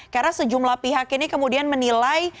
karena sejumlah pihak ini kemudian menilai